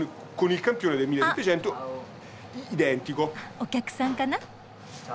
お客さんかな？